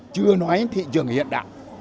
chưa nói thị trường hiện đại